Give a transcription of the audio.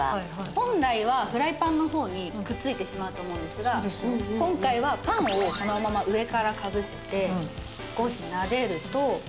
本来はフライパンの方にくっついてしまうと思うんですが今回はパンをこのまま上からかぶせて少しなでると。